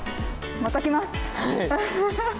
また来ます。